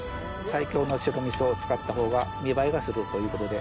西京の白味噌を使ったほうが見栄えがするということで。